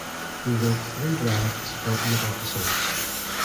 He wrote three drafts for eight episodes.